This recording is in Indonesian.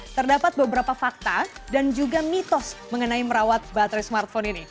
terdapat beberapa fakta dan juga mitos mengenai merawat baterai smartphone ini